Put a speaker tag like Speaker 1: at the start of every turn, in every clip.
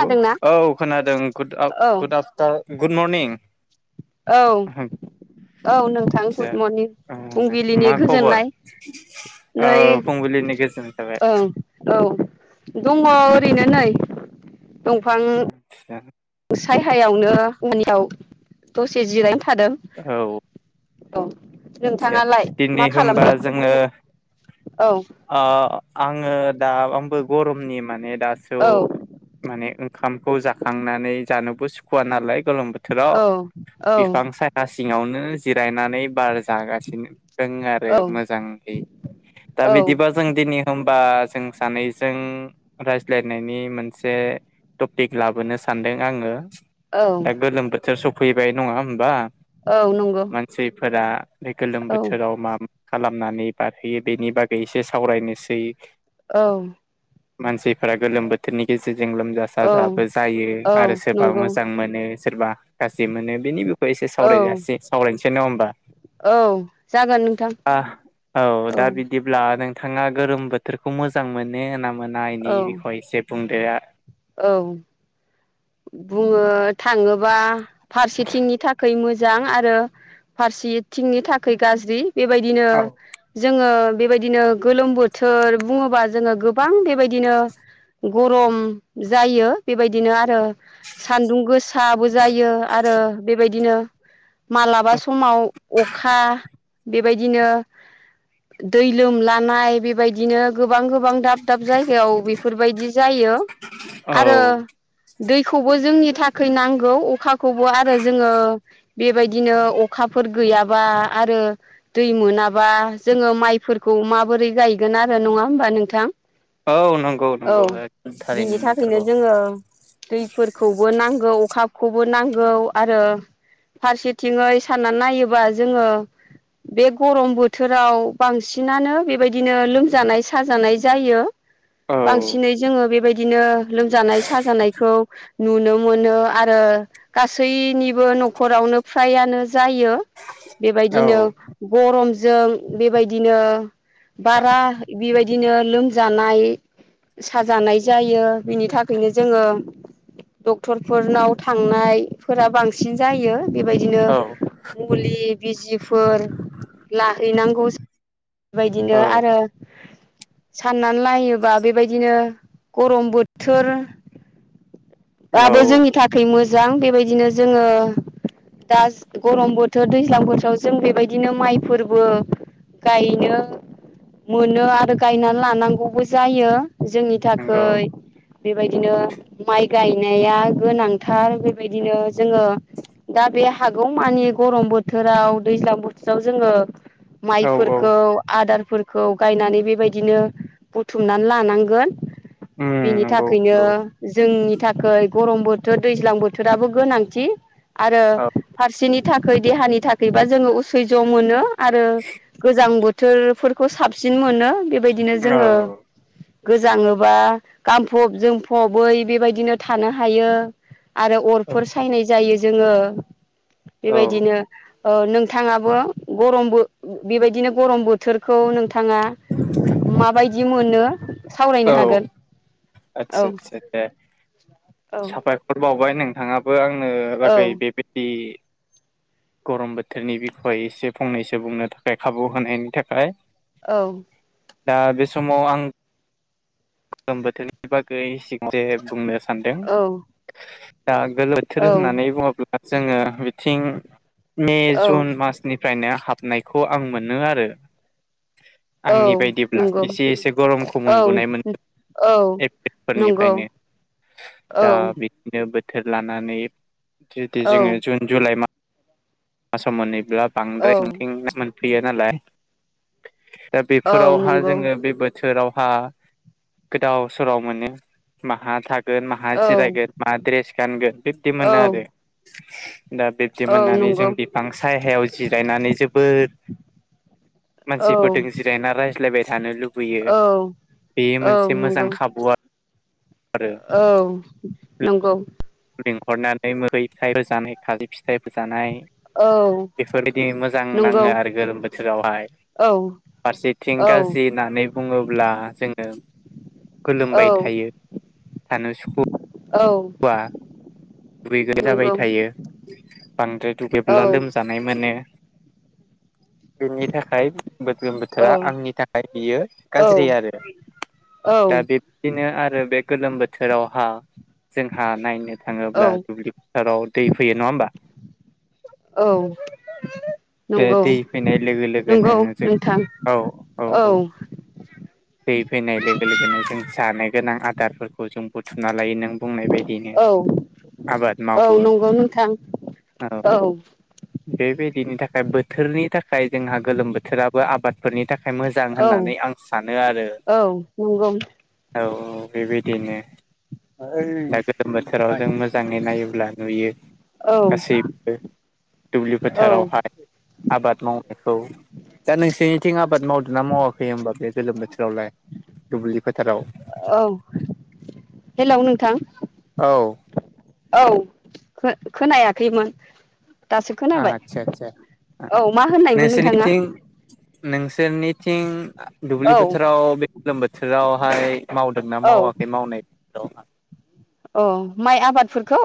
Speaker 1: औ औ खोनादों गुड आफ
Speaker 2: औ
Speaker 1: गुदि आफटार गुड मरनिं।
Speaker 2: औ। औ नोंथां
Speaker 1: आदसा
Speaker 2: गुड मरनिं फुंबिलिनि
Speaker 1: मा खबर
Speaker 2: गोजोननाय
Speaker 1: ओ
Speaker 2: नै
Speaker 1: फुंबिलिनि गोजोन थाबाय
Speaker 2: ओं औ दङ। ओरैनो नै दंफां
Speaker 1: आदसा
Speaker 2: सायहायावनो आंनियाव दसे जिरायनो थादों।
Speaker 1: औ
Speaker 2: अ।
Speaker 1: आदसा दिनै होमबा
Speaker 2: मा
Speaker 1: जोङो
Speaker 2: खबर औ
Speaker 1: अ आङो दा आंबो गरमनि माने दासो
Speaker 2: औ
Speaker 1: माने ओंखाम खौ जाखांनानै जानोबो सुखुव नालाय गोलोम बोथोराव
Speaker 2: औ
Speaker 1: बिफां सा सिङावनो जिरायनानै बार जागासिनो। रों आरो
Speaker 2: औ
Speaker 1: मोजाङै दा
Speaker 2: औ
Speaker 1: बिदिबा जों दिनै होमबा जों सानैजों रायज्लायनायनि मोनसे टपिक लाबोनो सानदों आङो
Speaker 2: औ
Speaker 1: दा गोलोम बोथोर सफैबाय नङा होमबा।
Speaker 2: औ नंगौ।
Speaker 1: फोरा बे गोलोम
Speaker 2: औ
Speaker 1: बोथोराव मा खालामनानै बारहोयो बेनि बागै एसे सावरायनोसै।
Speaker 2: औ।
Speaker 1: मानसिफोरा गोलोम बोथोरनि गेजेर जों लोमजा
Speaker 2: औ
Speaker 1: साजाबो जायो
Speaker 2: औ
Speaker 1: आरो सोरबा
Speaker 2: नंगौ
Speaker 1: मोजां मोनो सोरबा गाज्रि मोनो बेनि बो एसे
Speaker 2: औ
Speaker 1: सावरायजासै सावरायनोसै नङा होनबा?
Speaker 2: औ जागोन नोंथां
Speaker 1: आह औ दा बिदिब्ला नों थाङा गोरोम बोथोरखौ मोजां मोनो ना मोना इनि
Speaker 2: औ
Speaker 1: बिखय इसे बुंदो आ
Speaker 2: औ। बुङो थाङोबा फारसेथिंनि थाखै मोजां आरो फारसेथिंनि थाखै गाज्रि। बेबायदिनो जोङो बेबायदिनो गोलोम बोथोर बुङोबा जोङो गोबां बेबायदिनो गरम जायो बेबायदिनो आरो सान्दुं गोसाबो जायो आरो बेबाय दिनो मालाबा समाव अखा बेबायदिनो दै लोमलानाय बेबायदिनो गोबां गोबां दाब दाब जायगायाव बेफोरबायदि जायो।
Speaker 1: औ
Speaker 2: आरो दैखौबो जोंनि थाखाय नांगौ अखाखौबो आरो जोङो बेबायदिनो अखा फोर गैयाबा आरो दै मोनाबा जोङो माइफोरखौ माबोरै गायगोन आरो नङा होमबा नोंथां
Speaker 1: औ नंगौ
Speaker 2: औ
Speaker 1: नंगौ थारैनो
Speaker 2: बिनि थाखायनो
Speaker 1: नंथारगौ
Speaker 2: जोङो दैफोरखौबो नांगौ अखाखौबो नांगौ आरो फारसेथिङै साननानै नायोबा जोङो बे गरम बोथोराव बांसिनानो बेबायदिनो लोमजानाय साजानाय जायो।
Speaker 1: औ
Speaker 2: बांसिनै जोङो बेबायदिनो लोमजानाय साजानायखौ नुनो मोनो आरो गासैनिबो नखरावनो फ्राया नो जायो
Speaker 1: औ
Speaker 2: बेबायदिनो गरमजों बेबायदिनो बारा बेबायदिनो लोमजानाय साजानाय जायो बिनि था खैनो जोङो डक्टरफोरनाव थांनाय फोरा बांसिन जायो। बेबायदिनो
Speaker 1: औ
Speaker 2: मुलि बिजिफोर लाहैनांगौ बेबायदिनो
Speaker 1: औ
Speaker 2: आरो साननानै लायोबा बेबायदिनो गरम बोथोर आबो
Speaker 1: औ
Speaker 2: जोंनि थाखाय मोजां बेबायदिनो जोङो दा जा गरम बोथोर दैज्लां बोथोराव जों बेबायदिनो माइफोरबो गायनो मोनो आरो गायना लानांगौबो जायो। जोंनि
Speaker 1: नंगौ
Speaker 2: थाखै बेबायदिनो माइ गायनाया गोनांथार बेबायदिनो जोङो दा बे हागौ मानि गरम बोथोराव दैज्लां बोथोराव जोङो
Speaker 1: औ औ
Speaker 2: माइफोरखौ आदार फोरखौ गायनानै बेबायदिनो बुथुमनानै लानांगोन
Speaker 1: उम
Speaker 2: बिनि
Speaker 1: नंगौ
Speaker 2: थाखैनो
Speaker 1: नंगौ
Speaker 2: जोंनि थाखै गरम बोथोर दैज्लां बोथोराबो गोनांथि। आरो
Speaker 1: औ
Speaker 2: फारसेनि थाखै देहानि थाखैबा जोङो उसैज मोनो आरो गोजां बोथोरफोरखौ साब सिन मोनो बेबायदिनो
Speaker 1: औ
Speaker 2: जोङो गोजाङोबा गानफब जोमफबै बेबायदिनो थानो हायो। आरो अरफोर
Speaker 1: औ
Speaker 2: सायनाय जायो जोङो बेबायदिनो ओ नोंथाङाबो गरम बो बेबायदिनो गरम बोथोरखौ नों थाङा माबायदि मोनो सावरायनो
Speaker 1: औ
Speaker 2: हागोन। औ
Speaker 1: आदसा आदसा दे
Speaker 2: औ
Speaker 1: साबायखर बावबाय नोंथाङाबो आं बुंंनो लागै
Speaker 2: औ
Speaker 1: बेबायदि गरम बोथोरनि बिखय एसे फंनैसो बुंनो थाखाय खाबु होनायनि थाखाय
Speaker 2: औ
Speaker 1: दा बे समाव आं गोलोम बोथोरनि बागै [unintelligible] बुंनो सानदों
Speaker 2: औ
Speaker 1: दा गोलोमथोर
Speaker 2: औ
Speaker 1: होननानै बुङोब्ला जोङो बि थिं मे जुन
Speaker 2: औ
Speaker 1: मासनिफ्रायनो हाबनायखौ आं मोनो आरो आंनि
Speaker 2: औ
Speaker 1: बायदिब्ला
Speaker 2: नंगौ
Speaker 1: एसे एसे गरमखौ
Speaker 2: औ
Speaker 1: मोनबोनायमोन।
Speaker 2: औ
Speaker 1: एपरिलफोरनिफ्रायनो
Speaker 2: नंगौ
Speaker 1: दा
Speaker 2: औ
Speaker 1: बिदिनो बो थोर लानानै जुदि जोङो
Speaker 2: औ
Speaker 1: जुन जुलाइ मा साव मोनैब्ला
Speaker 2: औ
Speaker 1: बांद्राय [unintelligible] मोनफैयो नालाय दा बेफोरावहा
Speaker 2: नंगौ
Speaker 1: जोङो बेबो थोरावहा गोदाव सोराव मोनो माहा थागो न माहा
Speaker 2: औ
Speaker 1: जिरायगोन मा द्रेस गानगोन बिबदि
Speaker 2: औ
Speaker 1: मोनो आरो। दा बिब्दि
Speaker 2: औ
Speaker 1: मोननानै जों
Speaker 2: नंगौ
Speaker 1: बिफां सायहायाव जिरायनानै जोबोर
Speaker 2: औ
Speaker 1: मानसिफोरजों जिरायना रायज्लायबाय थानो लुब लुबयो
Speaker 2: औ
Speaker 1: बेयो
Speaker 2: औ
Speaker 1: मोनसे
Speaker 2: नंगौ
Speaker 1: मोजां खाबु आरो।
Speaker 2: औ नंगौ।
Speaker 1: लिंहरनानै मोहै फिथाय होजानाय खाजि फिथाइ जानाय।
Speaker 2: औ
Speaker 1: बेफोरबायदि मोजां
Speaker 2: नंगौ
Speaker 1: नाङो आरो गोलोम बोथोरावहाय।
Speaker 2: औ
Speaker 1: फारसेथिं
Speaker 2: औ
Speaker 1: गाज्रि होननानै बुङोब्ला जोङो। गोलोमबाय
Speaker 2: औ
Speaker 1: थायो थानो सुखुुवा। दुगैगोन जाबाय
Speaker 2: नंगौ
Speaker 1: थायो बांद्राय
Speaker 2: औ
Speaker 1: दुगैब्ला लोमजानाय मोनो। बेनि थाखाय गोदलोम बोथोरा आंनि थाखाय बियो गाज्रि आरो। दा बिब्दिनो आरो बे गोलोम बोथोरावहा जोंहा नायनो थाङोब्ला दुब्लि थाराव दै फै नङा होनोमबा?
Speaker 2: औ
Speaker 1: बे
Speaker 2: नंगौ
Speaker 1: दै फैनाय लोगो लोगोनो
Speaker 2: नंगौ
Speaker 1: जों
Speaker 2: नोंथां
Speaker 1: औ औ औ। दै फैनाय लोगो लोगोनो जों जानो गोनां आदारफोरखौ जों बुथुमना लायो नों थां बुंनाय बायदिययैनो
Speaker 2: औ
Speaker 1: आबाद
Speaker 2: औ
Speaker 1: मावो
Speaker 2: नंगौ नोंथां
Speaker 1: औ बेबायदिनि था खाय बोथोरनि थाखाय जोंहा गोलोम बोथोराबो आबादफोरनि थाखाय मोजां
Speaker 2: औ
Speaker 1: होननानै आं सान
Speaker 2: औ नंगौ।
Speaker 1: औ औ बेबायदिनो दा गोलोम बोथोराव जों मोजाङै नायोब्ला नुयो।
Speaker 2: औ
Speaker 1: गासैबो दुब्लि
Speaker 2: औ
Speaker 1: फोथारावहाय आबाद मावनायखौ। दा नोंसोरनिथिं आबाद मावदोंना मावाखै होमबा बे गोलोम बोथोरावलाय दुब्लि फोथाराव?
Speaker 2: औ हेल' नोंथां।
Speaker 1: औ
Speaker 2: औ खोनायाखैमोन। दासो खोनाबाय
Speaker 1: आदसा आदसा
Speaker 2: औ मा होननायमोन नोंथाङा?
Speaker 1: नोंसोरनिथिं नोंसोरनिथिं दुब्लि
Speaker 2: औ
Speaker 1: बोथोराव बे गोलोम बोथोरावहाय मावदोंना मावाखै मावनाय [unintelligible]
Speaker 2: अ माइ आबादफोरखौ?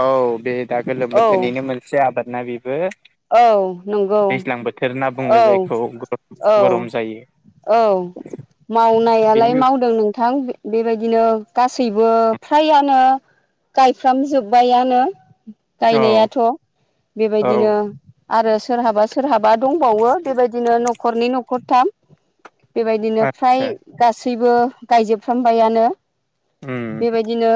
Speaker 1: औ बे दा गोलोम
Speaker 2: औ
Speaker 1: बोथोरनिनो मोनसे आबाद ना बेबो।
Speaker 2: औ नंगौ
Speaker 1: दैज्लां बोथोर होनना
Speaker 2: औ
Speaker 1: बुङो जायखौ
Speaker 2: औ
Speaker 1: गरम जायो।
Speaker 2: औ
Speaker 1: बेनि
Speaker 2: मावनायालाय मावदों नोंथां बे बेबायदि बिदिनो गासैबो फ्रायानो गायफ्रामजोबबायानो।
Speaker 1: औ
Speaker 2: गायनायाथ बेबायदिनो आरो सोरहाबा सोरहाबा दंबावो बेबायदिनो नखरनै-नखरथाम। बेबायदिनो फ्राय
Speaker 1: आदसा
Speaker 2: गासैबो गायजोबफ्रामबायानो।
Speaker 1: उम
Speaker 2: बेबायदिनो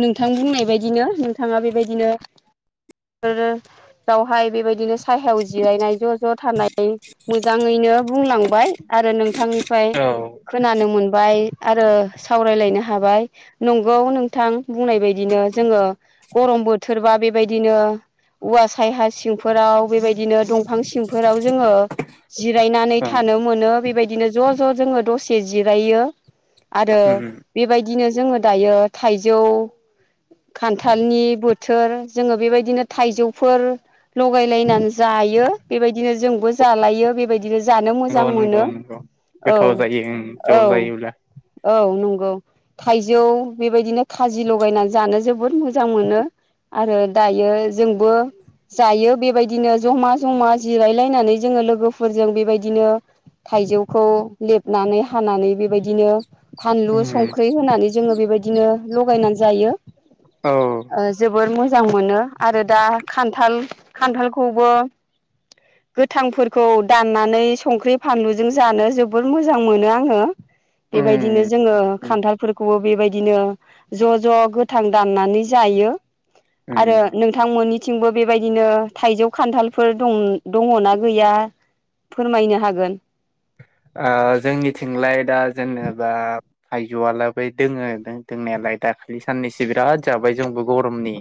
Speaker 2: नोंथां बुंनाय बायदिनो नोंथाङा बेबायदिनो [unintelligible] बावहाय बेबायदिनो साहायाव जिरायनाय ज ज थानाय मोजाङैनो बुंलांबाय आरो नोंथांनिफ्राय
Speaker 1: औ ओं
Speaker 2: खोनानो मोनबाय आरो सावरायलायनो हाबाय नंगौ नोंथां बुंनाय बायदिनो जोङो गरम बोथोरबा बेबायदिनो औवा सायहा सिं फोराव बेबायदिनो दंफां सिमफोराव जोङो जिरायनानै
Speaker 1: उम
Speaker 2: थानो मोनो। बेबायदि बिदिनो ज ज जोङो दसे जिरायो आरो
Speaker 1: नंगौ
Speaker 2: बेबायदिनो जोङो दायो थाइजौ खान्थालनि बोथ थोर जोङो बेबायदिनो थाइजौफोर लगायलायनानै जायो। बेबायदिनो जोंबो जालायो बेबायदि बिदिनो जानो मोजां
Speaker 1: नंगौ
Speaker 2: मोनो
Speaker 1: नंगौ
Speaker 2: औ
Speaker 1: गोथाव जायो ओं ज'
Speaker 2: औ
Speaker 1: जायोब्ला
Speaker 2: औ नंगौ। गौ थाइजौ बेबायदिनो खाजि लगायनानै जानो जोबोद मोजां मोनो। आरो दायो जोंबो जायो बेबायदिनो जमा जमा जिरायलायनानै जोङो लोगोफोरजों बेबायदिनो थाइजौखौ लेबनानै हानानै बेबायदिनो
Speaker 1: उम
Speaker 2: फानलु संख्रि होनानै जोङो बेबायदिनो लगायनानै जायो।
Speaker 1: औ
Speaker 2: ओ जोबोर मोजां मोनो आरो दा खान्थ न्थाल खान्थालखौबो गोथांफोरखौ दाननानै संख्रि फानलुजों जानो जोबोर मोजां मोनो आङो। बेबायदिनो
Speaker 1: उम
Speaker 2: जोङो
Speaker 1: उम
Speaker 2: खान्थालफोरखौबो बेबायदि दिनो ज' ज' गोथां दाननानै जायो आरो
Speaker 1: उम
Speaker 2: नोंथांमोननि बेबायदिनो थाइजौ खान्थालफोर दं दङना गैया? फोरमायनो हागोन।
Speaker 1: ओ जोंनिथिंलाय दा जेनेबा थायजौआलाय बै दोङो दोंनायालाय। ओमफ्राय दाखालि साननैसो बिराद जाबाय जोंबो गरमनि।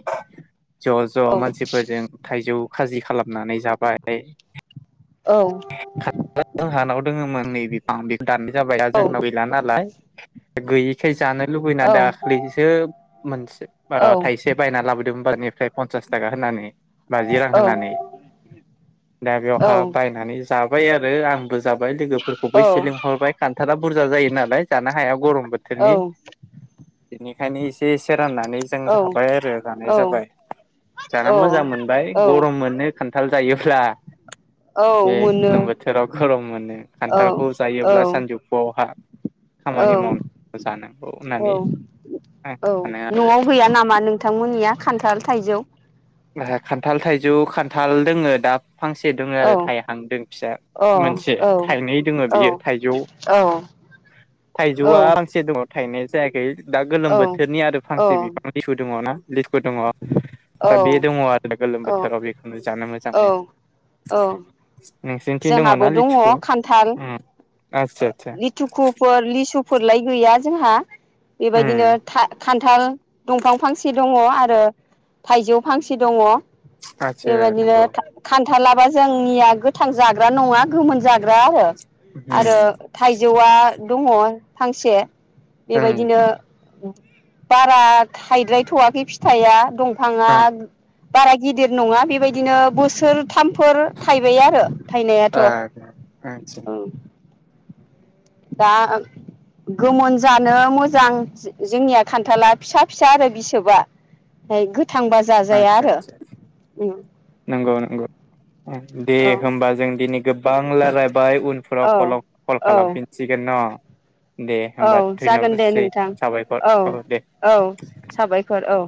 Speaker 1: ज' ज'
Speaker 2: औ
Speaker 1: मानसिफोरजों थाइजौ खाजि खालामनानै जाबाय।
Speaker 2: औ।
Speaker 1: जोंहानाव दङमोन नै बिफां बि दाननाय जाबाय दा
Speaker 2: औ
Speaker 1: जोंनाव गैला नालाय गैयिखाय जानो लुबैना
Speaker 2: औ
Speaker 1: दाख्लैसो मोनसे
Speaker 2: औ
Speaker 1: ओ थाइसे बायना लाबोदों। बाजारनिफ्राय पनसास थाखा होनानै। बाजि रां होनानै
Speaker 2: औ
Speaker 1: दा
Speaker 2: औ
Speaker 1: बेवहााय बायनानै जाबाय आरो आं बो जाबाय लोगोफोरखौबो एसे लिंहरबाय खान्थाला बुरजा जायो नालाय जानो हाया गरम बोथोरनि बेनिखायनो एसे एसे राननानै जों जाबाय आरो जानाय
Speaker 2: औ
Speaker 1: जाबाय। जाना मोजां मोनबाय
Speaker 2: औ
Speaker 1: गरम मोनो खान्थाल जायोब्ला।
Speaker 2: औ
Speaker 1: बे
Speaker 2: मोनो।
Speaker 1: गोलोम बोथोराव गरम मोनो
Speaker 2: औ
Speaker 1: खान्थालखौ
Speaker 2: औ
Speaker 1: जायोब्ला सानजौफुआवहा
Speaker 2: औ
Speaker 1: खामानि मावनांगौ जानांगौ
Speaker 2: औ
Speaker 1: होननानै आं
Speaker 2: औ
Speaker 1: सानो आरो
Speaker 2: न'आव गैया नामा नोंथांमोननिया खान्थाल थाइजौ?
Speaker 1: ओहो खान्थाल थाइजौ खान्थाल दोङो दा। फांसे दोङो आरो
Speaker 2: औ
Speaker 1: थाइहां दों फिसा
Speaker 2: अ
Speaker 1: मोनसे
Speaker 2: औ
Speaker 1: थाइनै दोङो
Speaker 2: औ
Speaker 1: बियो थाइजौ
Speaker 2: औ। औ
Speaker 1: थाइजौआ फांसे दङ। थायनाय जायाखै दा गोलोम बोथोरनि आरो फांसे
Speaker 2: औ
Speaker 1: बिफां लिसु दङ ना लिसु दङ।
Speaker 2: औ
Speaker 1: दा
Speaker 2: औ
Speaker 1: बे दङ आरो गोलोम बोथोराव बेखौनो जानो मोनो। मोजां
Speaker 2: औ औ
Speaker 1: नोंसोरनिथिं दङना
Speaker 2: जोंहाबो दङ
Speaker 1: लिथिखु
Speaker 2: खान्थाल।
Speaker 1: उम आतसा आतसा
Speaker 2: लिथुखुफोर लिसुफोरलाय गैया जोंहा।
Speaker 1: उम
Speaker 2: बेबायदिनो था खान्थाल दंफां फांसे दङ आरो थाइजौ फांसे दङ
Speaker 1: आतसा
Speaker 2: बेबायदिनो
Speaker 1: नंगौ
Speaker 2: खान थालाबा जोंनिया गोथां जाग्रा नङा गोमोन जाग्रा आरो।
Speaker 1: उम
Speaker 2: आरो थाइजौआ दङ फांसे
Speaker 1: उम
Speaker 2: बेबायदिनो बारा थाइद्रायथ'वाखै फिथाइया दंफाङा
Speaker 1: ओ
Speaker 2: बारा गिदिर नङा बेबायदिनो बोसोर थामफोर थाइबाय आरो थायनायाथ'
Speaker 1: आतसा [unintelligible]
Speaker 2: दा गोमोन जानो मोजां जोंनिया खान्थाला फिसा फिसा आरो बिसोबा। गोथांबा जाजाया
Speaker 1: आतसा
Speaker 2: आरो
Speaker 1: आतसा
Speaker 2: उम।
Speaker 1: नंगौ नंगौ दे होमबा जों दिनै गोबां लाराय बाय उनफोराव
Speaker 2: औ
Speaker 1: कल
Speaker 2: औ
Speaker 1: खालामफिनसिगोन न' दे
Speaker 2: औ
Speaker 1: होमबा
Speaker 2: जागोन दे
Speaker 1: धयन'बादसै
Speaker 2: नोंथां
Speaker 1: साबायखर
Speaker 2: औ
Speaker 1: दे
Speaker 2: औ साबायखर औ।